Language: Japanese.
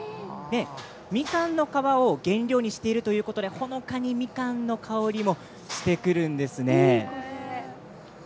みかんの皮を原料にしているということでほのかに、みかんの香りもしてくるんですね。